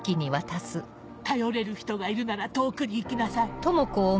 頼れる人がいるなら遠くに行きなさい。